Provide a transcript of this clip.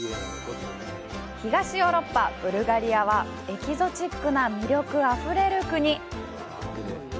東ヨーロッパ・ブルガリアはエキゾチックな魅力あふれる国。